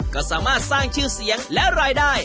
ก็สามารถสร้างชื่อเสียงและรายได้